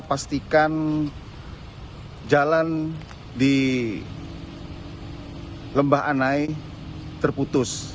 pastikan jalan di lembah anai terputus